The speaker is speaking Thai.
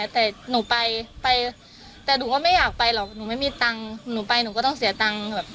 แต่หนูไปไปแต่หนูก็ไม่อยากไปหรอกหนูไม่มีตังค์หนูไปหนูก็ต้องเสียตังค์แบบ